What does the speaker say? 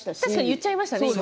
言っちゃいましたね。